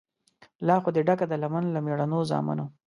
لا خو دي ډکه ده لمن له مېړنو زامنو